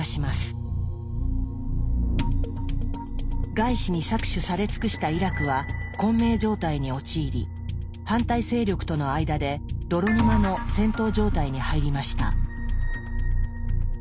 外資に搾取され尽くしたイラクは混迷状態に陥り反対勢力との間で泥沼の戦闘状態に入りました。